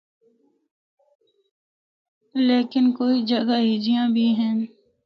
لیکن کوئی جگہاں ہِجیاں بھی ہن۔